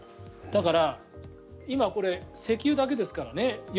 だから今、これ石油だけですからね